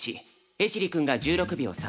江尻君が１６秒３。